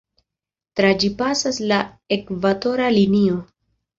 Tra ĝi pasas la Ekvatora Linio.